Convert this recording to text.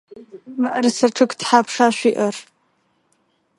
Мыӏэрысэ чъыг тхьапша шъуиӏэр?